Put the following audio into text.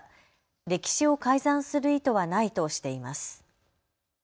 歴史を改ざんする意図はないとしています。